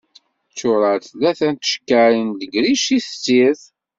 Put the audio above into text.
Ččureɣ-d tkata n tcekkaṛin n legric si tessirt.